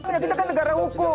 kita kan negara hukum